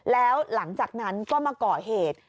แล้วหลังจากนั้นก็มาก่อเหตุ